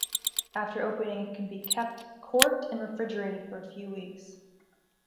After opening, it can be kept, corked and refrigerated, for a few weeks.